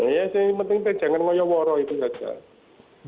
iya sih penting jangan ngoyoworo itu saja